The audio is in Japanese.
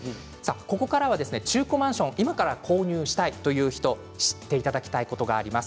ここから中古マンションを今から購入したいという方に知っていただきたいことがあります。